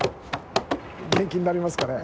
・元気になりますかね？